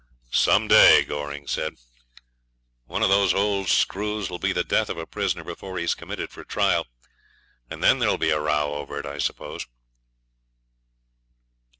'Some day,' Goring said, 'one of those old screws will be the death of a prisoner before he's committed for trial, and then there'll be a row over it, I suppose.'